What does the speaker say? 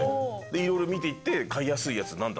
いろいろ見て飼いやすいやつ何だ？